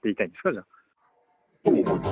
じゃあ。